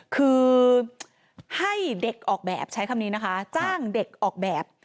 คือให้เด็กออกแบบใช้คำนี้นะคะจ้างเด็กออกแบบ